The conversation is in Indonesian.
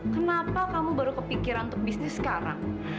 kenapa kamu baru kepikiran untuk bisnis sekarang